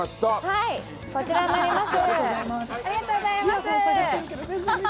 こちらになります。